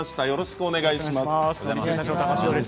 よろしくお願いします。